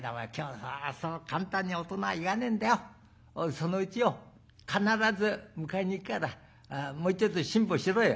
そのうちよ必ず迎えに行くからもうちょっと辛抱しろよ。